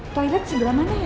toilet sebelah mana ya